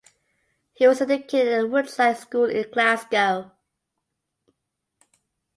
He was educated at Woodside School in Glasgow.